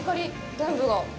全部が。